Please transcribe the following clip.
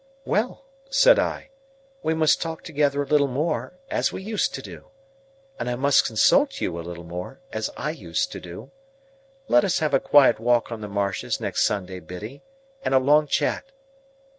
"Well!" said I, "we must talk together a little more, as we used to do. And I must consult you a little more, as I used to do. Let us have a quiet walk on the marshes next Sunday, Biddy, and a long chat."